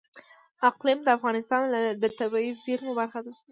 اقلیم د افغانستان د طبیعي زیرمو برخه ده.